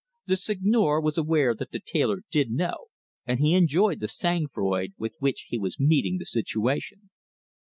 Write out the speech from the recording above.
The Seigneur was aware that the tailor did know, and he enjoyed the 'sang froid' with which he was meeting the situation.